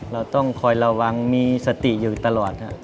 เราต้องคอยระวังมีสติอยู่ตลอดครับ